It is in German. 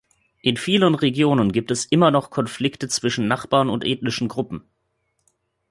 In vielen Regionen gibt es immer noch Konflikte zwischen Nachbarn und ethnischen Gruppen.